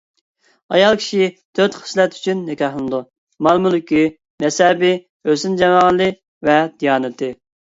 ئايال كىشى تۆت خىسلەت ئۈچۈن نىكاھلىنىدۇ: مال-مۈلكى، نەسەبى، ھۆسن-جامالى ۋە دىيانىتى.